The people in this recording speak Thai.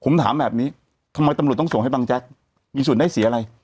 ผมถามแบบนี้ทำไมตำรวจต้องส่งให้บังแจ๊กมีส่วนได้เสียอะไร